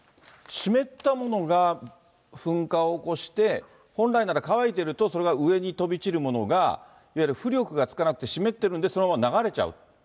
湿ったものが噴火を起こして、本来なら乾いてるとそれが上に飛び散るものが、いわゆる浮力がつかなくて湿ってるんで、そのまま流れちゃう。